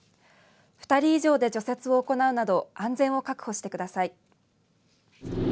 ２人以上で除雪を行うなど安全を確保してください。